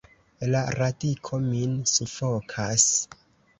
La radiko min sufokas!